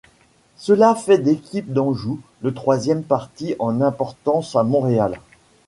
Cela fait d'Équipe Anjou, le troisième parti en importance à Montréal.